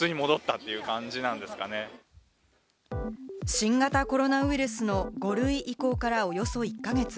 新型コロナウイルスの５類移行からおよそ１か月。